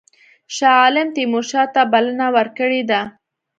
شاه عالم تیمورشاه ته بلنه ورکړې ده.